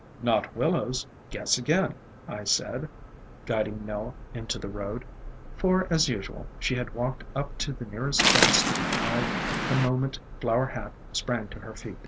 "Not Willows; guess again," I said, guiding Nell into the road; for, as usual, she had walked up to the nearest fence to be tied the moment Flower Hat sprang to her feet.